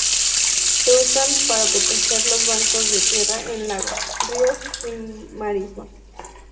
Se usan para proteger los bancos de tierra en lagos, ríos y marismas.